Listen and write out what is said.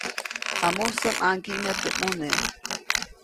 Jamusä ʼmaŋgiʼmä teʼ ʼmune.